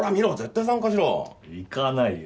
行かないよ。